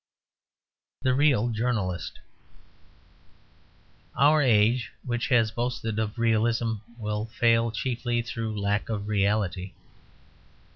THE REAL JOURNALIST Our age which has boasted of realism will fail chiefly through lack of reality.